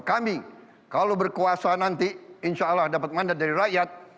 kami kalau berkuasa nanti insya allah dapat mandat dari rakyat